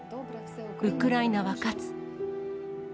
ウクライナは勝つ。